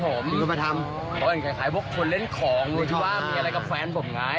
เหมือนคนเล่นของมีอะไรกับแฟนผมไง